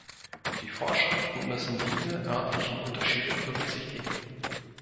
Die Vorschriften müssen diese örtlichen Unterschiede berücksichtigen.